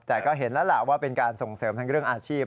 แต่ก็เห็นแล้วล่ะว่าเป็นการส่งเสริมทั้งเรื่องอาชีพ